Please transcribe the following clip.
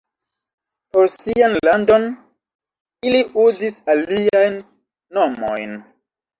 Por sian landon ili uzis aliajn nomojn.